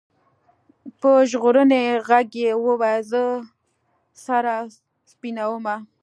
په ژړغوني ږغ يې ويل زه سر سپينومه.